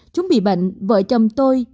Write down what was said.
chúng bị bệnh vợ chồng tôi